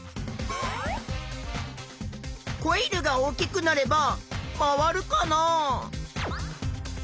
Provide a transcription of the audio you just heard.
コイルが大きくなれば回るかな？